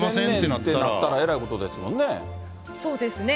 なったらえらいことですもんね。